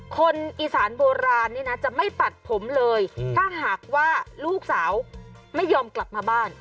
คนอีสานโบราณนี่นะจะไม่ตัดผมเลยถ้าหากว่าลูกสาวไม่ยอมกลับมาบ้าน